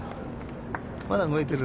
まだ動いてる。